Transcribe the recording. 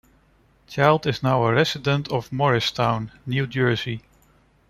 Child is now a resident of Morristown, New Jersey.